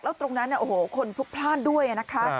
แล้วตรงนั้นโอ้โหคนพลุกพลาดด้วยนะคะ